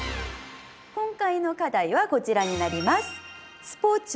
今回の課題はこちらになります。